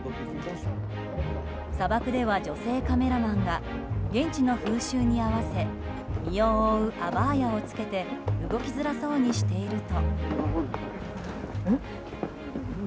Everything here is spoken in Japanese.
砂漠では、女性カメラマンが現地の風習に合わせて身を覆うアバーヤを付けて動きづらそうにしていると。